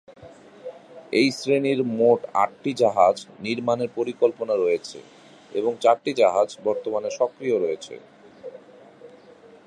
এই শ্রেণির মোট আটটি জাহাজ নির্মাণের পরিকল্পনা রয়েছে এবং চারটি জাহাজ বর্তমানে সক্রিয় রয়েছে।